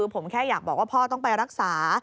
ผมแค่อยากบอกว่าพ่อต้องไปรักษา